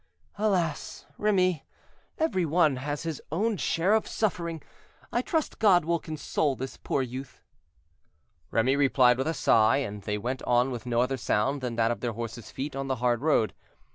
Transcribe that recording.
"Alas! Remy, every one has his own share of suffering. I trust God will console this poor youth." Remy replied with a sigh, and they went on with no other sound than that of their horses' feet on the hard road.